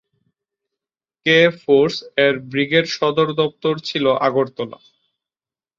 কে force এর brigade সদর দপ্তর ছিল আগরতলা।